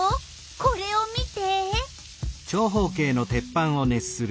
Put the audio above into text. これを見て！